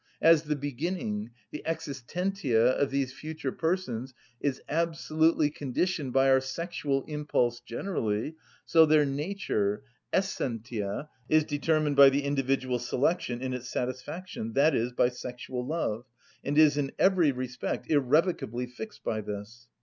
As the being, the existentia, of these future persons is absolutely conditioned by our sexual impulse generally, so their nature, essentia, is determined by the individual selection in its satisfaction, i.e., by sexual love, and is in every respect irrevocably fixed by this.